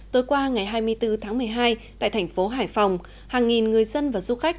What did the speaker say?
tối qua ngày hai mươi bốn tháng một mươi hai tại thành phố hải phòng hàng nghìn người dân và du khách